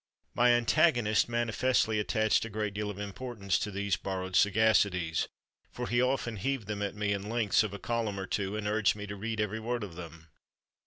My antagonist manifestly attached a great deal of importance to these borrowed sagacities, for he often heaved them at me in lengths of a column or two, and urged me to read every word of them.